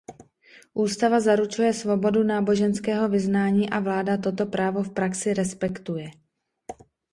Ústava zaručuje svobodu náboženského vyznání a vláda toto právo v praxi respektuje.